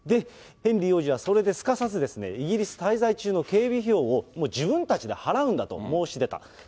ヘンリー王子はそれですかさず、イギリス滞在中の警備費用を、もう自分たちで払うんだと申し出た。